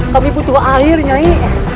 kami butuh air nyai